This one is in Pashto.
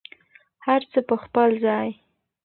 هر څه په خپل ځای.